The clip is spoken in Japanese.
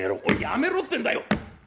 おいやめろってんだよ！」。